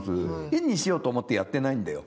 変にしようと思ってやってないんだよ。